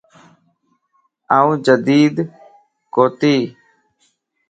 آن جڍين ڪوتي